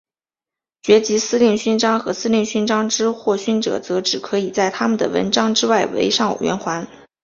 爵级司令勋章和司令勋章之获勋者则只可以在他们的纹章之外围上圆环。